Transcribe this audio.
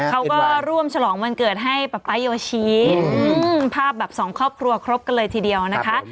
เขาก็ร่วมฉลองวันเกิดให้ป๊าป๊าโยชี้ภาพแบบสองครอบครัวครบกันเลยทีเดียวนะคะ